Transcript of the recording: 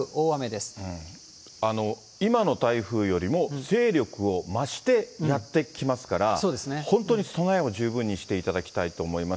今の台風よりも、勢力を増してやって来ますから、本当に備えを十分にしていただきたいと思います。